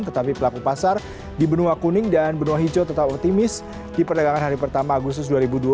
tetapi pelaku pasar di benua kuning dan benua hijau tetap optimis di perdagangan hari pertama agustus dua ribu dua puluh